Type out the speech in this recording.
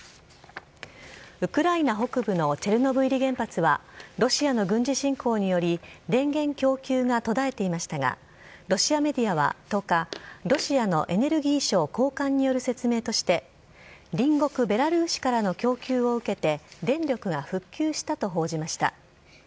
ウクライナ北部のチェルノブイリ原発はロシアの軍事侵攻により電源供給が途絶えていましたがロシアメディアは１０日ロシアのエネルギー省高官による説明として隣国・ベラルーシからの供給を受けて電力が復旧したと報じました。